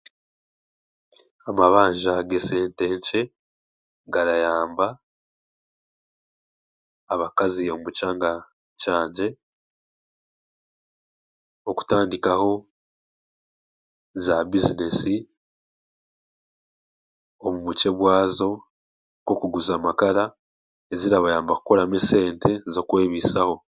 Amabanja g'esente nkye garayamba abakazi omu kyanga kyangye okutandikaho za bizinesi omu bukye bwazo nk'okuguza amakara ezirabayamba kukoramu esente z'okwebisaho.